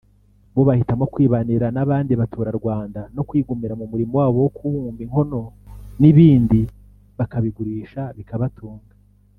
bo bahitamo kwibanira n’abandi baturarwanda no kwigumira ku murimo wabo wo kubumba inkono n’ibibindi bakabigurisha bikabatunga